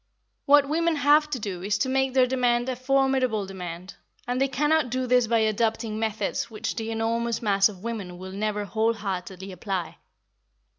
What women have to do is to make their demand a formidable demand, and they cannot do this by adopting methods which the enormous mass of women will never whole heartedly apply.